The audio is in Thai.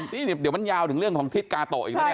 นี่เดี๋ยวมันยาวถึงเรื่องของทิศกาโตะอีกแล้วเนี่ย